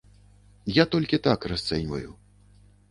Я толькі так расцэньваю.